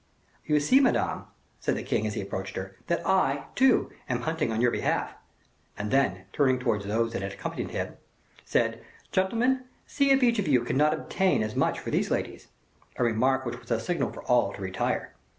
"You see, Madame," said the king, as he approached her, "that I, too, am hunting on your behalf!" and then, turning towards those who had accompanied him, said, "Gentlemen, see if each of you cannot obtain as much for these ladies," a remark which was a signal for all to retire.